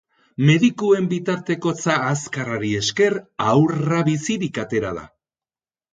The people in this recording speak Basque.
Medikuen bitartekotza azkarrari esker, haurra bizirik atera da.